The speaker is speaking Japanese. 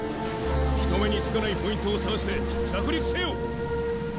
人目につかないポイントを探して着陸せよ！